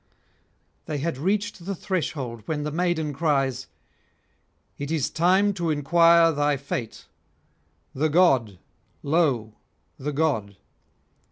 They had reached the threshold, when the maiden cries: _It is time to enquire thy fate: the god, lo! the god!